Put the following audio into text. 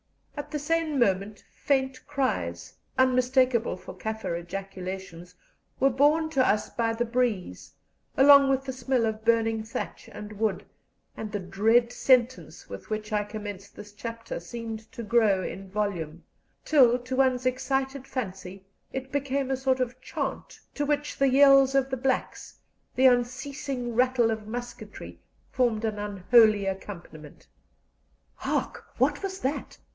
At the same moment faint cries, unmistakable for Kaffir ejaculations, were borne to us by the breeze, along with the smell of burning thatch and wood, and the dread sentence with which I commenced this chapter seemed to grow in volume, till to one's excited fancy it became a sort of chant, to which the yells of the blacks, the unceasing rattle of musketry, formed an unholy accompaniment. "Hark, what is that?"